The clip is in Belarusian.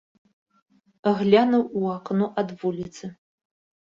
Глянуў у акно ад вуліцы.